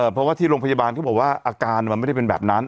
เพราะว่าที่โรงพยาบาลเขาบอกว่าอาการมันไม่ได้เป็นแบบนั้น